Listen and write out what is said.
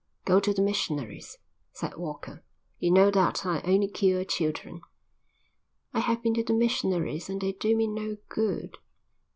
"Go to the missionaries," said Walker. "You know that I only cure children." "I have been to the missionaries and they do me no good."